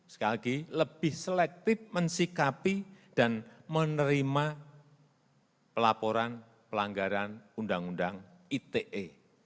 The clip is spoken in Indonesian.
sekali lagi lebih selektif mensikapi dan menerima pelaporan pelanggaran undang undang ite